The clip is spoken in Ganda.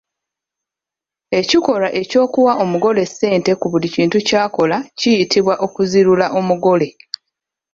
Ekikolwa eky'okuwa omugole ssente ku buli kintu ky’akola kiyitibwa okuzirula omugole.